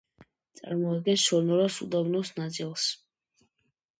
წარმოადგენს სონორას უდაბნოს ნაწილს.